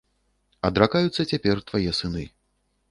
Адракаюцца цяпер твае сыны.